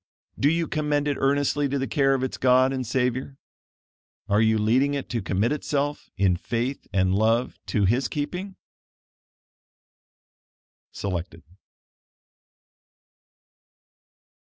Do you commend it earnestly to the care of its God and Savior? Are you leading it to commit itself, in faith and love to his keeping? Selected.